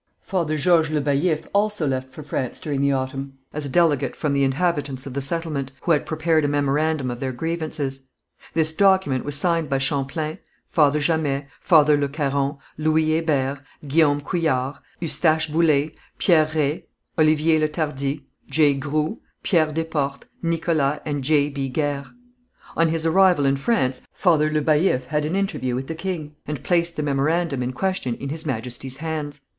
Father Georges Le Baillif also left for France during the autumn, as a delegate from the inhabitants of the settlement, who had prepared a memorandum of their grievances. This document was signed by Champlain, Father Jamet, Father Le Caron, Louis Hébert, Guillaume Couillard, Eustache Boullé, Pierre Reye, Olivier Le Tardif, J. Groux, Pierre Desportes, Nicholas and J.B. Guers. On his arrival in France, Father Le Baillif had an interview with the king, and placed the memorandum in question in His Majesty's hands.